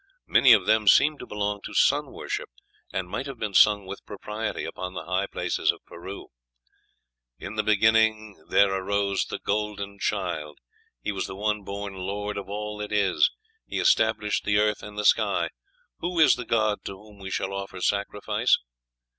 Many of them seem to belong to sun worship, and might have been sung with propriety upon the high places of Peru: "In the beginning there arose the golden child. He was the one born Lord of all that is. He established the earth and the sky. Who is the god to whom we shall offer sacrifice?